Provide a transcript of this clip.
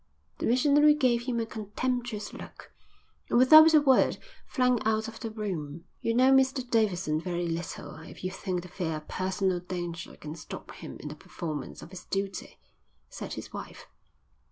The missionary gave him a contemptuous look and without a word flung out of the room. "You know Mr Davidson very little if you think the fear of personal danger can stop him in the performance of his duty," said his wife.